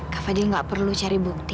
kak fadil nggak perlu cari bukti